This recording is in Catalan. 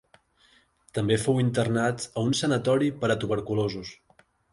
També fou internat a un sanatori per a tuberculosos.